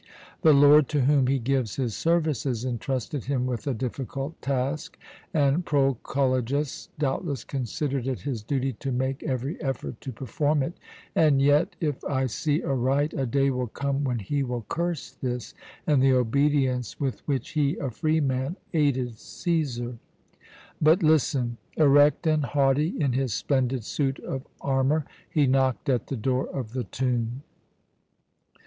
The lord to whom he gives his services intrusted him with a difficult task, and Proculejus doubtless considered it his duty to make every effort to perform it and yet If I see aright, a day will come when he will curse this, and the obedience with which he, a free man, aided Cæsar But listen. "Erect and haughty in his splendid suit of armour, he knocked at the door of the tomb.